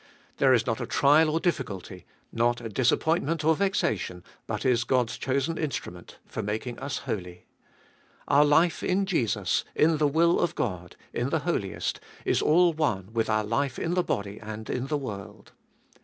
There is not a trial or difficulty, not a disappointment or vexation, but is God's chosen instrument for making us holy. Our life in Jesus, in the will of God, in the Holiest, is all one with our life in the body and in the world.